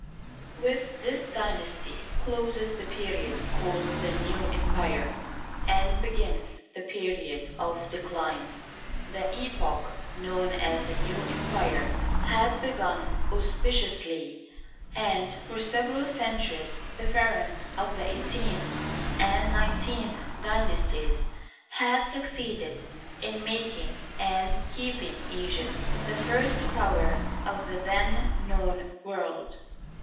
With this d3masty closes the period called the " New Empire," and begins the period of decline. The epoch known as the New Empire had begun auspiciously, and for several centuries the pharaohs of the eighteenth and nineteenth dynasties had succeeded in making and keep ing Egypt the first power of the then known world.